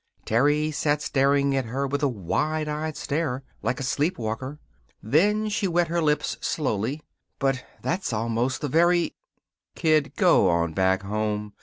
Terry sat staring at her with a wide eyed stare, like a sleepwalker. Then she wet her lips slowly. "But that's almost the very " "Kid, go on back home.